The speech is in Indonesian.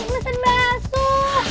mesin bahan asuk